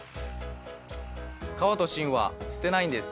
皮と芯は捨てないんです。